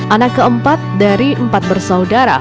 anak keempat dari empat bersaudara